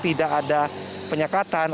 tidak ada penyekatan